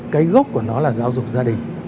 cái gốc của nó là giáo dục gia đình